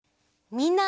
みんな。